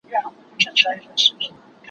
چي په کال کي یې هر څه پیسې گټلې